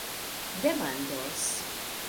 demandos